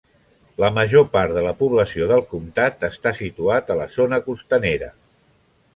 La major part de la població del comtat està situat a la zona costanera.